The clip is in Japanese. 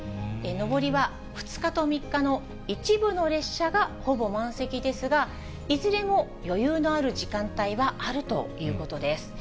上りは２日と３日の一部の列車がほぼ満席ですが、いずれも余裕のある時間帯はあるということです。